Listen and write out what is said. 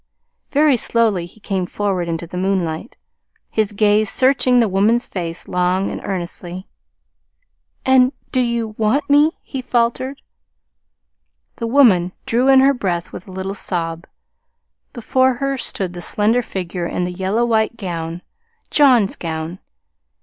Very slowly he came forward into the moonlight, his gaze searching the woman's face long and earnestly. "And do you want me?" he faltered. The woman drew in her breath with a little sob. Before her stood the slender figure in the yellow white gown John's gown.